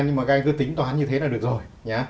nhưng mà gai cứ tính toán như thế là được rồi